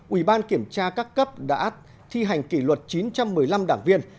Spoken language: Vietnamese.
ủy ban kiểm tra các cấp đã thi hành kỷ luật chín trăm một mươi năm đảng viên